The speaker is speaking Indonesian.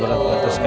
maaf lahir batinnya